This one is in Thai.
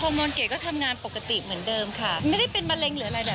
โมนเกดก็ทำงานปกติเหมือนเดิมค่ะไม่ได้เป็นมะเร็งหรืออะไรเลย